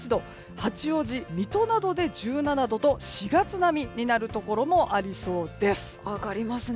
八王子、水戸などで１７度など４月並みになるところもありそうです。